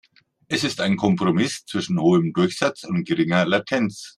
Es ist ein Kompromiss zwischen hohem Durchsatz und geringer Latenz.